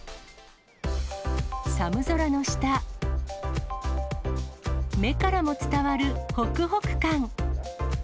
寒空の下、目からも伝わるほくほく感。